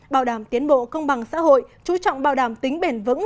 bảo đảm tiến bộ công bằng xã hội chú trọng bảo đảm tính bền vững